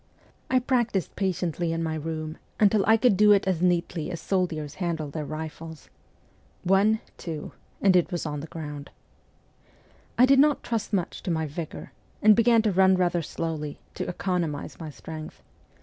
I practised patiently in my room until I could do it as neatly as soldiers handle their rifles. ' One, two,' and it was on the ground. I did not trust much to my vigour, and began to run rather slowly, to economize my strength.